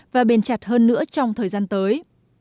và bền chặt hơn nữa trong thời gian tới